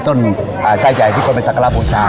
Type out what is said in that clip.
ต้นทรายไส้ใหญ่ที่เป็นศักดิ์ภาษณาโบราชา